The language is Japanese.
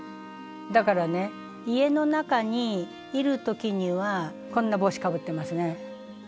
だからね家の中にいる時にはこんな帽子かぶってますね。